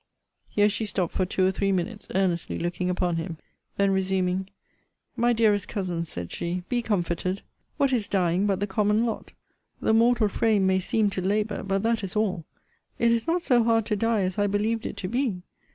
Here she stopt for two or three minutes, earnestly looking upon him. Then resuming, My dearest Cousin, said she, be comforted what is dying but the common lot? The mortal frame may seem to labour but that is all! It is not so hard to die as I believed it to be!